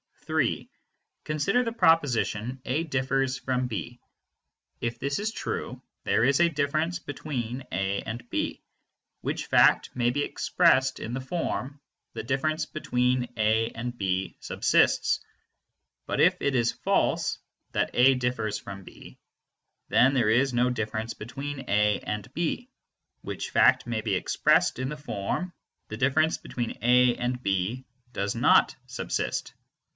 (3) Consider the proposition "A differs from B." If this is true, there is a difference between A and B, which fact may be expressed in the form "the difference between A and B subsists." But if it is false that A differs from B, then there is no difference between A and B, which fact may be expressed in the form "the difference between A and B does not subsist."